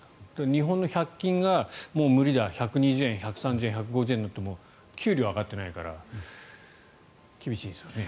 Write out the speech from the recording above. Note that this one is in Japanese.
日本の１００均がもう無理だ１２０円、１３０円１５０円になっても給料は上がっていないから厳しいんですよね。